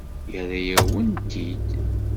Yerra-yawen-t-id.